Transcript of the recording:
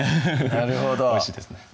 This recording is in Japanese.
なるほどおいしいですね